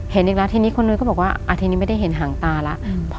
เห็นอีกแล้วทีนี้คนนู้นก็บอกว่าทีนี้ไม่ได้เห็นหางตาแล้ว